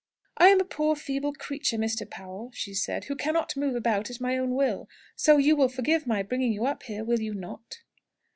"I am a poor feeble creature, Mr. Powell," she said, "who cannot move about at my own will. So you will forgive my bringing you up here, will you not?"